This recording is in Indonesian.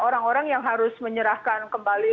orang orang yang harus menyerahkan kembali